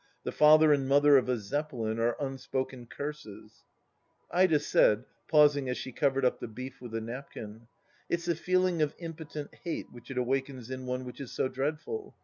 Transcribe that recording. The father and mother of a Zeppelin are unspoken curses !"... Ida said, pausing as she covered up the beef with a napkin :" It's the feeling of impotent hate which it awakens in one which is so dreadful.